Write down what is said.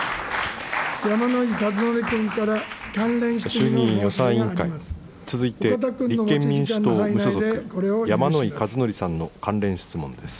衆議院予算委員会、続いて立憲民主党・無所属、山井和則さんの関連質問です。